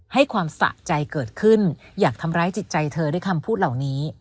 ให้ความสะใจเกิดขึ้นอยากทำร้ายจิตใจเธอด้วยคำพูดเหล่านี้